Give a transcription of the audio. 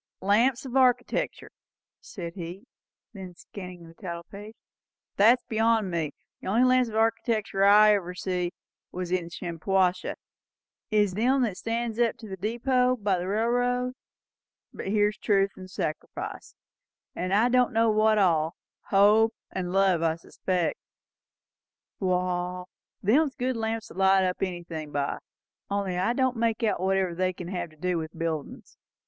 "'Lamps of Architectur'," said he, looking then at the title page; "that's beyond me. The only lamps of architectur that I ever see, in Shampuashuh anyway, is them that stands up at the depot, by the railroad; but here's 'truth,' and 'sacrifice,' and I don' know what all; 'hope' and 'love,' I expect. Wall, them's good lamps to light up anythin' by; only I don't make out whatever they kin have to do with buildin's."